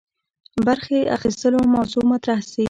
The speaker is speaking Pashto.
برخي اخیستلو موضوع مطرح سي.